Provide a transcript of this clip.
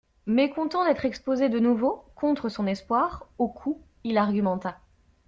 Mécontent d'être exposé de nouveau, contre son espoir, aux coups, il argumenta.